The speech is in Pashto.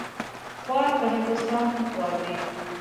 خوار په هندوستان هم خوار وي.